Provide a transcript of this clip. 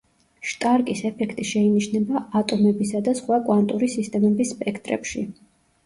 შტარკის ეფექტი შეინიშნება ატომებისა და სხვა კვანტური სისტემების სპექტრებში.